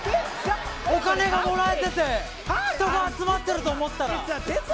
お金がもらえてて人が集まってると思ったら。